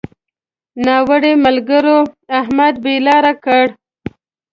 ناوړه ملګرو؛ احمد بې لارې کړ.